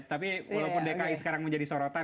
tapi walaupun dki sekarang menjadi seorang daerah